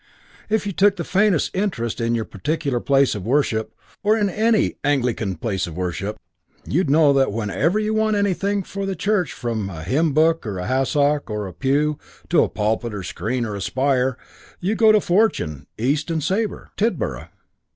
If you took the faintest interest in your particular place of worship, or in any Anglican place of worship, you'd know that whenever you want anything for the Church from a hymn book or a hassock or a pew to a pulpit or a screen or a spire you go to Fortune, East and Sabre, Tidborough.